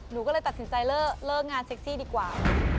หนูก็เลยตัดสินใจเลิกงานเซ็กซี่ดีกว่า